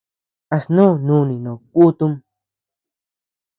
¿A snú núni no kutum?